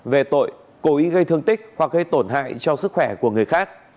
về tội cố ý gây thương tích hoặc gây tổn hại cho sức khỏe của người khác